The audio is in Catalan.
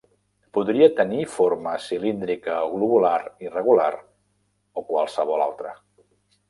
Podria tenir forma cilíndrica o globular irregular o qualsevol altra.